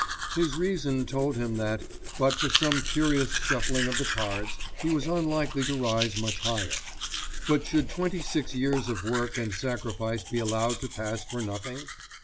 His reason told him that, but for some curious shuffling of the cards, he was unlikely to rise much higher. "But should twenty six years of work and sacrifice be allowed to pass for nothing?"